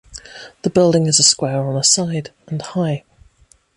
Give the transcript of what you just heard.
The building is a square on a side, and high.